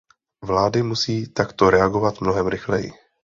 Vlády musí takto reagovat mnohem rychleji.